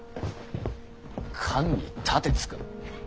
官に盾つく？